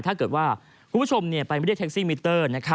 ถ้าเกิดว่าคุณผู้ชมไปเรียกแท็กซี่มิเตอร์